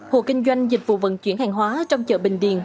hộ kinh doanh dịch vụ vận chuyển hàng hóa trong chợ bình điền